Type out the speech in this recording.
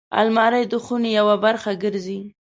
الماري د خونې یوه برخه ګرځي